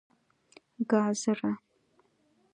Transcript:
🥕 ګازره